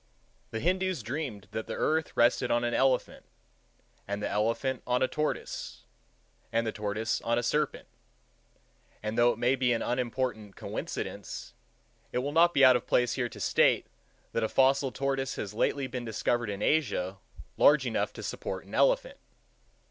The Hindoos dreamed that the earth rested on an elephant, and the elephant on a tortoise, and the tortoise on a serpent; and though it may be an unimportant coincidence, it will not be out of place here to state, that a fossil tortoise has lately been discovered in Asia large enough to support an elephant.